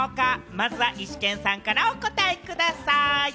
まずはイシケンさんからお答えください。